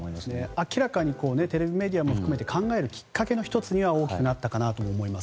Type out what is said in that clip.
明らかにテレビメディアも含めて考えるきっかけの１つに大きくなったかなと思います。